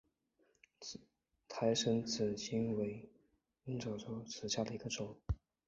胎生紫堇为罂粟科紫堇属下的一个种。